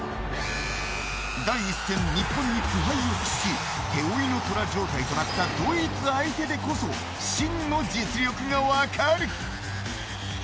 第１戦、日本に苦杯を屈し手負いの虎状態となったドイツ相手にこそ真の実力が分かる。